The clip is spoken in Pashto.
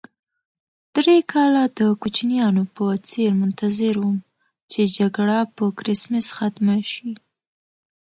درې کاله د کوچنیانو په څېر منتظر وم چې جګړه په کرېسمس ختمه شي.